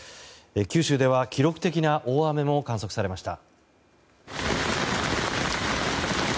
九州では記録的な大雨も観測されました。